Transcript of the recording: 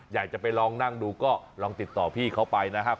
อยากจะไปลองนั่งดูก็ลองติดต่อพี่เขาไปนะครับ